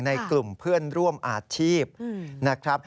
ในกลุ่มเพื่อนร่วมอาชีพนะครับ